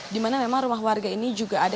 di mana memang rumah warga ini juga ada